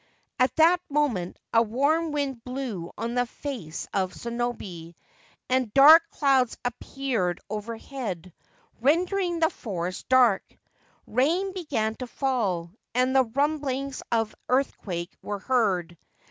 At that moment a warm wind blew on the face of Sonobe, and dark clouds appeared overhead, rendering the forest dark ; rain began to fall, and the rumblings of earthquake were heard.